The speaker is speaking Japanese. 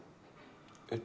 えっ？